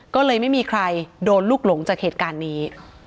ก็เลยไม่มีใครโดนลูกหลงจากเหตุการณ์นี้